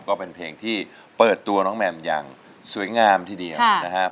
ก็เป็นเพลงที่เปิดตัวน้องแมมอย่างสวยงามทีเดียวนะครับ